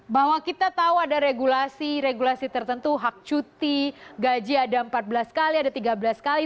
bahwa kita tahu ada regulasi regulasi tertentu hak cuti gaji ada empat belas kali ada tiga belas kali